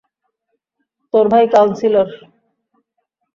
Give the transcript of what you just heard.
তোর ভাই কাউন্সিলর।